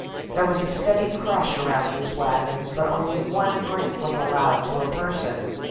There was a steady crush around these wagons, but only one drink was allowed to a person.